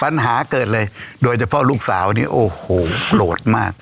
ปัญหาเกิดเลยโดยเฉพาะลูกสาวนี่โอ้โหโกรธมาก